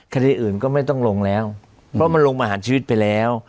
คดีอื่นก็ไม่ต้องลงแล้วเพราะมันลงประหารชีวิตไปแล้ว